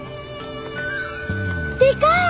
でかい！